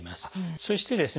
そしてですね